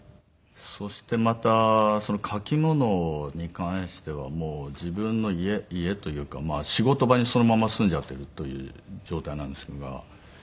そしてまた書き物に関してはもう自分の家というか仕事場にそのまま住んじゃうという状態なんですが。